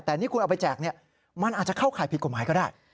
แต่นี่คุณเอาไปแจกเนี่ยมันอาจจะเข้าข่ายผิดกฎหมายก็ได้